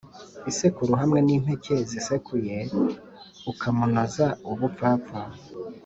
Isekuru hamwe n impeke zisekuye ukamunoza ubupfapfa